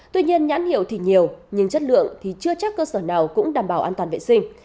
tuy nhiên nhãn hiệu thì nhiều nhưng chất lượng thì chưa chắc cơ sở nào cũng đảm bảo an toàn vệ sinh